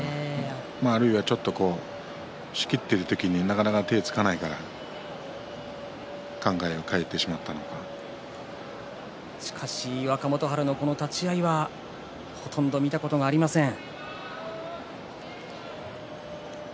あるいはちょっと仕切っている時になかなか手をつかないから若元春、立ち合いはほとんど見たことがありません。